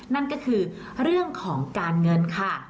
นั่นก็คือเรื่องของการเงินค่ะ